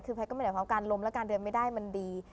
คือแพทย์ก็เหมือนกับว่าความการลมและการเดินไม่ได้มันดี